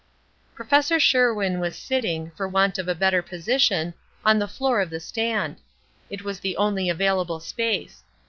Prof. Sherwin was sitting, for want of a better position, on the floor of the stand. It was the only available space.